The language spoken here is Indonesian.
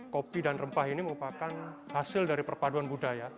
kopi dan rempah ini merupakan hasil dari perpaduan budaya